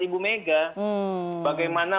ibu mega bagaimana